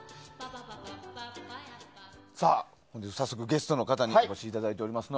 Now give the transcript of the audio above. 本日、ゲストの方にお越しいただいています。